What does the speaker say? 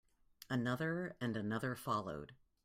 Another and another followed.